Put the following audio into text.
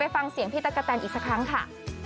ฟังเสียงพี่ตั๊กกะแตนอีกสักครั้งค่ะ